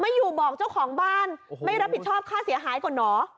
อยู่บอกเจ้าของบ้านไม่รับผิดชอบค่าเสียหายก่อนเหรอ